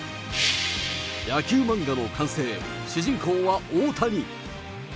野球漫画の完成、主人公は大谷。